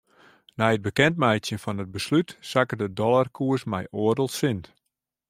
Nei it bekendmeitsjen fan it beslút sakke de dollarkoers mei oardel sint.